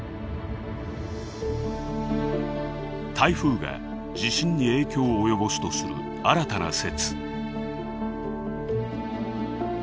台風が地震に影響を及ぼすとする新たな説。